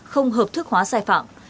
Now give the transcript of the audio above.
không hợp thức hóa sai phạm